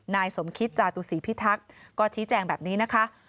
นายสมคิตจาตุศีพิทักษ์ก็ชี้แจงแบบนี้นะคะ